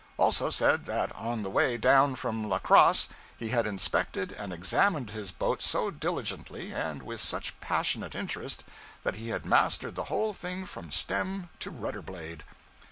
Also said that on the way down from La Crosse he had inspected and examined his boat so diligently and with such passionate interest that he had mastered the whole thing from stem to rudder blade.